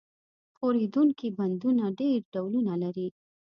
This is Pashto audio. ښورېدونکي بندونه ډېر ډولونه لري.